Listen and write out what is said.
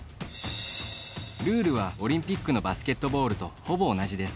ルールは、オリンピックのバスケットボールとほぼ同じです。